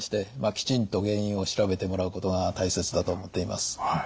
きちんと原因を調べてもらうことが大切だと思っています。